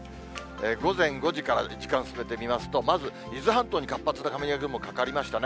午前５時から時間進めてみますと、まず伊豆半島に活発な雷雲かかりましたね。